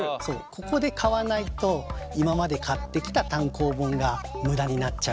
ここで買わないと今まで買ってきた単行本が無駄になっちゃう。